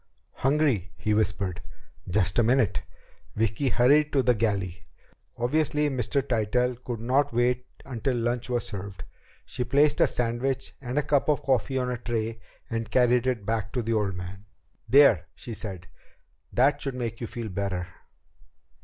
"Hungry," he whispered. "Just a minute." Vicki hurried to the galley. Obviously, Mr. Tytell could not wait until lunch was served. She placed a sandwich and a cup of coffee on a tray and carried it back to the old man. "There," she said. "That should make you feel better."